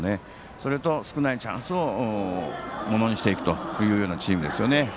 それと少ないチャンスをものにしていくというようなチームですね。